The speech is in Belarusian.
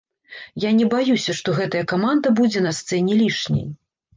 Я не баюся, што гэтая каманда будзе на сцэне лішняй.